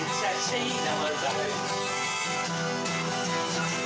いいな。